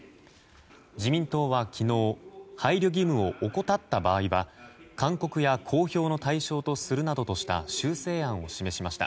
自民党は昨日配慮義務を怠った場合は勧告や公表の対象とするなどとした修正案を示しました。